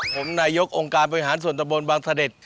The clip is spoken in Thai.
ผมนายกองค์การบริหารส่วนตำบลบังสะเด็ด